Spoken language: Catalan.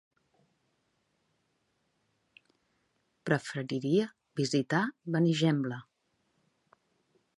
Preferiria visitar Benigembla.